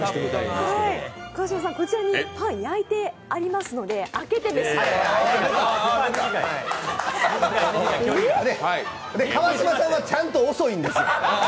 こちらにパン焼いてありますので川島さんが、ちゃんと遅いんですよ。